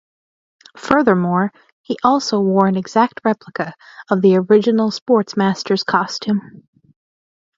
Furthermore, he also wore an exact replica of the original Sportsmaster's costume.